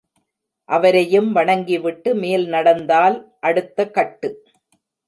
அவரையும் வணங்கி விட்டு மேல் நடந்தால் அடுத்த கட்டு.